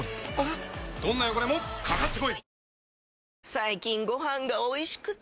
最近ご飯がおいしくて！